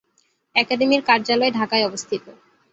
একাডেমির কার্যালয় ঢাকায় অবস্থিত।